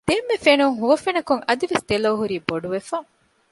ދެންމެ ފެނުން ހުވަފެނަކުން އަދިވެސް ދެލޯ ހުރީ ބޮޑުވެފަ